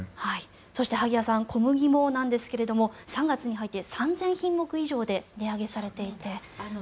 そして小麦もなんですが３月に入って３０００品目以上で値上げされています。